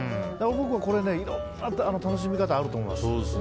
僕はこれ、いろんな楽しみ方があると思います。